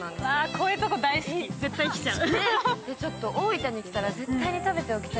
こういうとこ大好き、絶対来ちゃう。